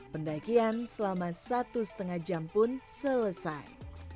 pendakian selama satu setengah jam pun selesai